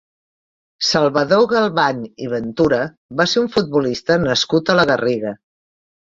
Salvador Galvany i Ventura va ser un futbolista nascut a la Garriga.